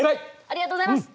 ありがとうございます。